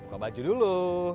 buka baju dulu